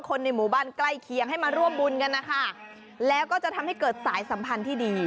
ในหมู่บ้านใกล้เคียงให้มาร่วมบุญกันนะคะแล้วก็จะทำให้เกิดสายสัมพันธ์ที่ดี